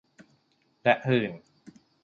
และหื่น